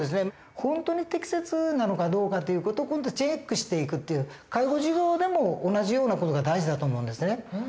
本当に適切なのかどうかっていう事をチェックしていくっていう介護事業でも同じような事が大事だと思うんですね。